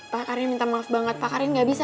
pak karin minta maaf banget pak karin gak bisa